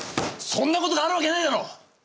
そんなことがあるわけないだろ！